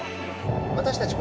私たち